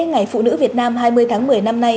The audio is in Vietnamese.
dịp lễ ngày phụ nữ việt nam hai mươi tháng một mươi năm nay